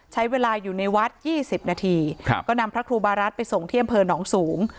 ใช้เวลาอยู่ในวัด๒๐นาทีก็นำพระครูบารัฐไปส่งที่อำเภอหนองสูง